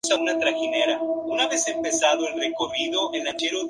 A menudo es en forma de diamante, cuadrado o circular.